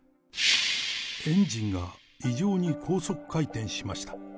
エンジンが異常に高速回転しました。